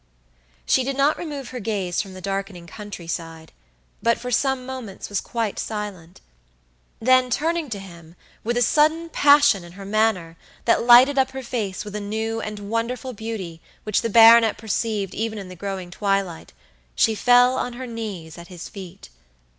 She did not remove her gaze from the darkening country side, but for some moments was quite silent; then turning to him, with a sudden passion in her manner, that lighted up her face with a new and wonderful beauty which the baronet perceived even in the growing twilight, she fell on her knees at his feet.